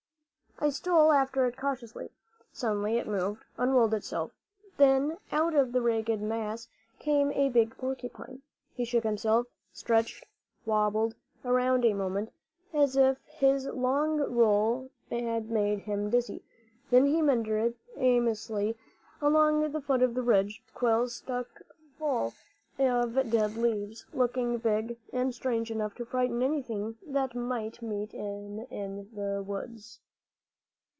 I stole after it cautiously. Suddenly it moved, unrolled itself. Then out of the ragged mass came a big porcupine. He shook himself, stretched, wobbled around a moment, as if his long roll had made him dizzy; then he meandered aimlessly along the foot of the ridge, his quills stuck full of dead leaves, looking big and strange enough to frighten anything that might meet him in the woods.